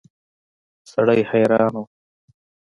سړی حیران و.